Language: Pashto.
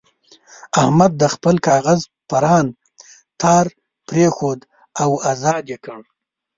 احمد د خپل کاغذ پران تار پرېښود او ازاد یې کړ.